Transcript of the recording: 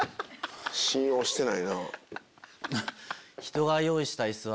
信用してないな。